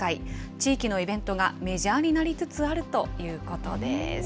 地域のイベントがメジャーになりつつあるということです。